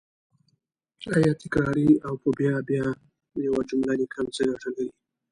آیا تکراري او په بیا بیا یوه جمله لیکل څه ګټه لري